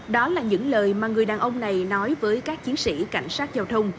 đó là những lời mà người đàn ông này nói với các chiến sĩ cảnh sát giao thông